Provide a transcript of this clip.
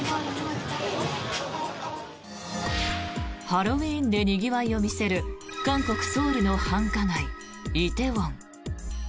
ハロウィーンでにぎわいを見せる韓国ソウルの繁華街、梨泰院。